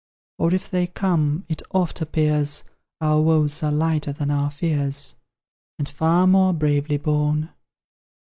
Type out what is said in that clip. Or if they come, it oft appears, Our woes are lighter than our fears, And far more bravely borne.